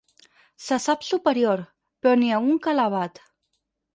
Se sap superior, però n'hi ha un que l'abat.